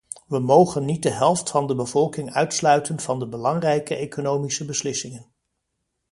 We mogen niet de helft van de bevolking uitsluiten van de belangrijke economische beslissingen.